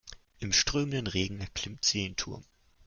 Im strömenden Regen erklimmt sie den Turm.